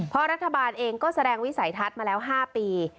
เพราะรัฐบาลเองก็แสดงวิสัยทัศน์มาแล้ว๕ปี